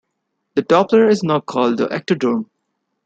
The top layer is now called the ectoderm.